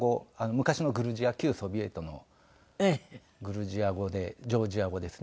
昔のグルジア旧ソビエトのグルジア語でジョージア語ですね